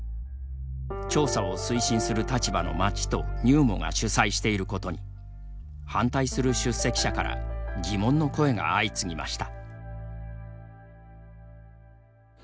調査を推進する立場の町とＮＵＭＯが主催していることに反対する出席者から疑問の声が相次ぎました。